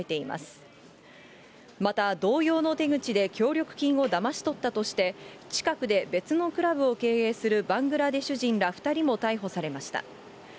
また同様の手口で協力金をだまし取ったとして、近くで別のクラブを経営するバングラデシュ人ら２人も逮捕されました。